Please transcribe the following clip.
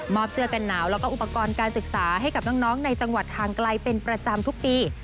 เสื้อกันหนาวแล้วก็อุปกรณ์การศึกษาให้กับน้องในจังหวัดทางไกลเป็นประจำทุกปี